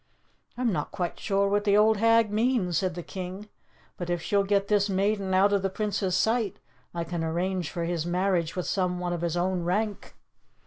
"I'm not quite sure what the old hag means," said the king. "But if she'll get this maiden out of the Prince's sight, I can arrange for his marriage with some one of his own rank."